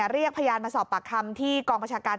เรียกพยานมาสอบปากคำที่กองประชาการ